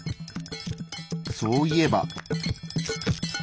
そういえば。